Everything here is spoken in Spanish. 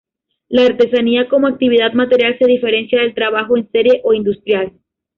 La artesanía como actividad material se diferencia del trabajo en serie o industrial.